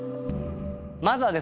まずはですね